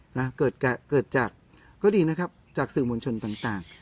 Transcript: นะเกิดเกิดจากก็ดีนะครับจากสื่อมวลชนต่างต่าง